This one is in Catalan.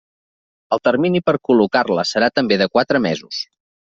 El termini per col·locar-la serà també de quatre mesos.